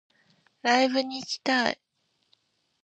ライブに行きたい